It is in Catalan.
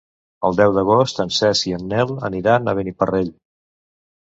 El deu d'agost en Cesc i en Nel aniran a Beniparrell.